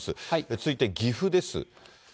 続いて岐阜です。